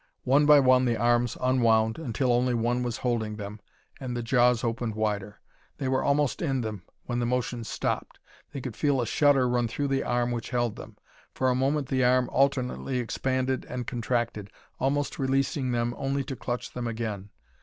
One by one the arms unwound until only one was holding them and the jaws opened wider. They were almost in them when the motion stopped. They could feel a shudder run through the arm which held them. For a moment the arm alternately expanded and contracted, almost releasing them only to clutch them again.